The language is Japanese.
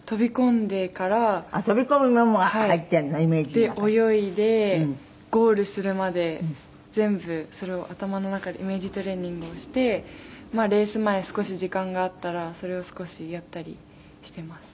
で泳いでゴールするまで全部それを頭の中でイメージトレーニングをしてレース前少し時間があったらそれを少しやったりしています。